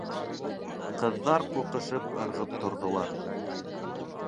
Ҡыҙҙар ҡурҡышып ырғып торҙолар.